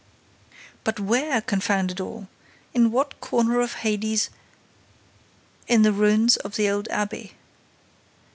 "But where, confound it all?—In what corner of Hades—?" "In the ruins of the old abbey."